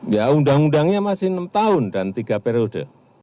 ya undang undangnya masih enam tahun dan tiga periode